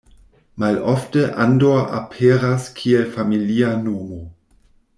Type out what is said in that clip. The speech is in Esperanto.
Malofte Andor aperas kiel familia nomo.